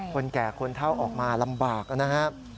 คนแก่คนเท่าออกมาลำบากนะครับ